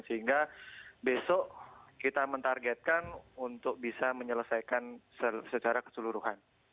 sehingga besok kita mentargetkan untuk bisa menyelesaikan secara keseluruhan